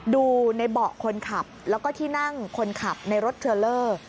ดูในเบาะคนขับแล้วก็ที่นั่งคนขับในรถเทรลเลอร์